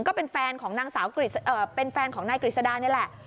ก็เป็นแฟนของนายกริษดานี่แหละ